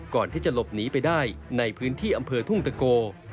ก่อนที่จะหลบหนีไปได้ในพื้นที่อำเภอทุ่งตะโก